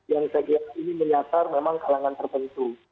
yang saya kira ini menyatar memang kalangan tertentu